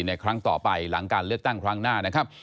ครั้งต่อไปหลังการเลือกตั้งครั้งหน้านะครับ